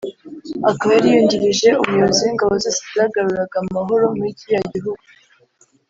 akaba yari yungirije umuyobozi w’ingabo zose zagaruraga amahoro muri kiriya gihugu